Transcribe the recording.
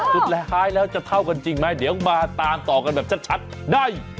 สุดท้ายแล้วจะเท่ากันจริงไหมเดี๋ยวมาตามต่อกันแบบชัดได้